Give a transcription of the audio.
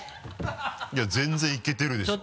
いや全然いけてるでしょ。